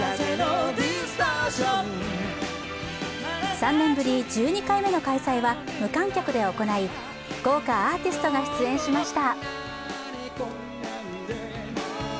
３年ぶり１２回目の開催は無観客で行い、豪華アーティストが出演しました。